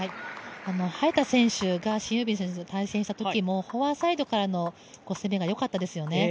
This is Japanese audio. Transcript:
早田選手がシン・ユビン選手と対戦したときもフォアサイドからの攻めがよかったですよね。